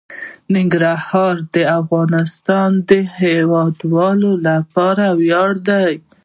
ننګرهار د افغانستان د هیوادوالو لپاره ویاړ دی.